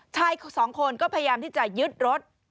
ชายสองคนก็พยายามที่จะยึดรถ